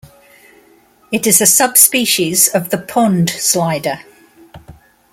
It is a subspecies of the pond slider.